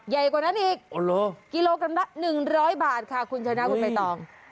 ใหญ่กว่านั้นอีกกิโลกรัมละ๑๐๐บาทค่ะคุณชนะคุณใบตอง